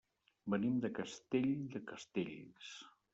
Venim de Castell de Castells.